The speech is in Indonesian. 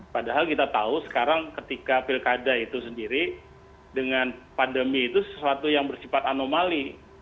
padahal kita tahu sekarang ketika pilkada itu sendiri dengan pandemi itu sesuatu yang bersifat anomali